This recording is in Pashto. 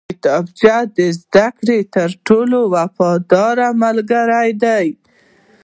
کتابچه د زده کړې تر ټولو وفاداره ملګرې ده